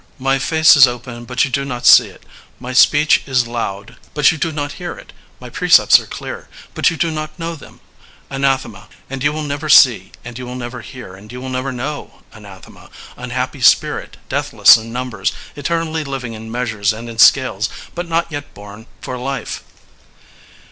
My face is open, but you do not see it. My speech is loud, but you do not hear it. My precepts are clear, but you do not know them. Anathema. And you will never see, and you will never hear, and you will never know. Anathema, unhappy spirit, deathless in numbers, eternally liv ing in measures and in scales, but not yet bom for life.